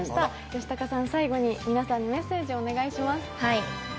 吉高さん、最後に皆さんにメッセージをお願いします。